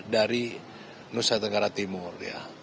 dari nusa tenggara timur